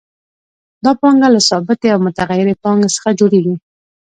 دا پانګه له ثابتې او متغیرې پانګې څخه جوړېږي